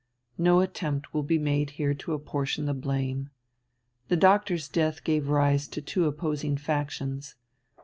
No attempt will be made here to apportion the blame. The Doctor's death gave rise to two opposing factions.